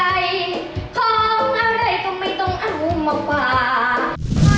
ของอะไรก็ไม่ต้องเอามาฝาก